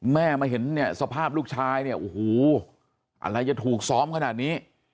แม่มาเห็นเนี่ยสภาพลูกชายเนี่ยโอ้โหอะไรจะถูกซ้อมขนาดนี้